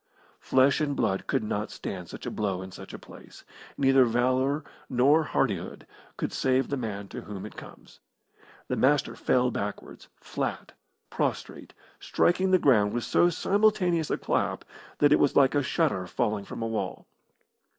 Flesh and blood could not stand such a blow in such a place. Neither valour nor hardihood can save the man to whom it comes. The Master fell backwards, flat, prostrate, striking the ground with so simultaneous a clap that it was like a shutter falling from a wall.